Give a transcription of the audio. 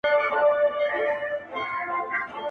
تل له نوي کفن کښه څخه ژاړي.!